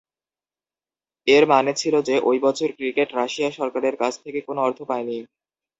এর মানে ছিল যে, ঐ বছর ক্রিকেট রাশিয়া সরকারের কাছ থেকে কোন অর্থ পায়নি।